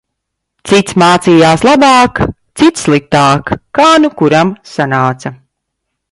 Cits mācījās labāk, cits - sliktāk, kā nu kuram sanāca.